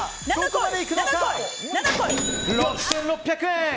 ６６００円！